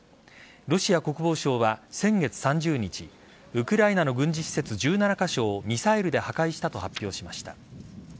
ロシア国防省は先月３０日ウクライナの軍事施設１７カ所をミサイルで破壊したと発表しました。